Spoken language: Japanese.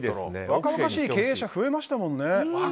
若々しい経営者増えましたもんね。